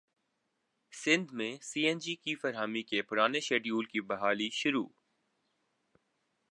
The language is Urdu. سندھ میں سی این جی کی فراہمی کے پرانے شیڈول کی بحالی شروع